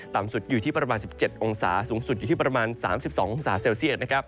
ต่ำสุดอยู่ที่ประมาณ๑๗องศาสูงสุดอยู่ที่ประมาณ๓๒องศาเซลเซียต